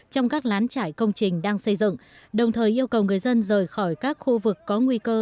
trong các lán trải công trình đang xây dựng đồng thời yêu cầu người dân rời khỏi các khu vực có nguy cơ